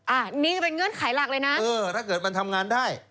อันนี้จะเป็นเงื่อนไขหลักเลยนะเออถ้าเกิดมันทำงานได้